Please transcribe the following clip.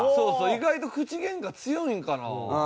意外と口ゲンカ強いんかな？